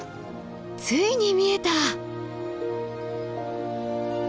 ついに見えた！